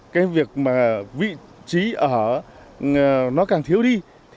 cái việc mà vị trí ở nó càng thiếu đi